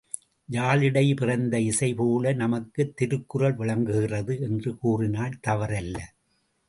யாழிடைப் பிறந்த இசைபோல, நமக்குத் திருக்குறள் விளங்குகிறது என்று கூறினால் தவறல்ல.